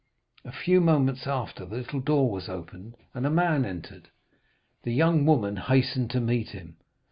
A few moments after, the little door was opened and a man entered. The young woman hastened to meet him.